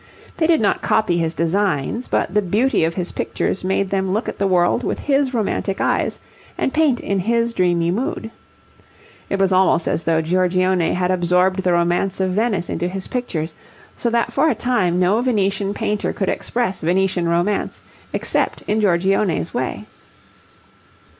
They did not copy his designs, but the beauty of his pictures made them look at the world with his romantic eyes and paint in his dreamy mood. It was almost as though Giorgione had absorbed the romance of Venice into his pictures, so that for a time no Venetian painter could express Venetian romance except in Giorgione's way.